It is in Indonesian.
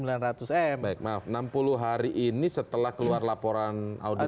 baik maaf enam puluh hari ini setelah keluar laporan audit